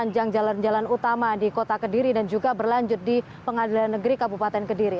sepanjang jalan jalan utama di kota kediri dan juga berlanjut di pengadilan negeri kabupaten kediri